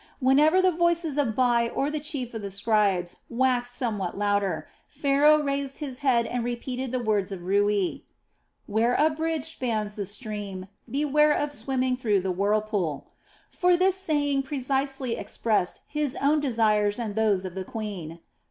Whenever the voices of Bai or of the chief of the scribes waxed somewhat louder, Pharaoh raised his head and repeated the words of Rui: "Where a bridge spans the stream, beware of swimming through the whirlpool;" for this saying precisely expressed his own desires and those of the queen.